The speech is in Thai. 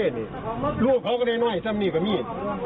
ถามมาคือเห็นสิ